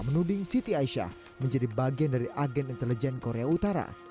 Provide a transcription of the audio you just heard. menuding siti aisyah menjadi bagian dari agen intelijen korea utara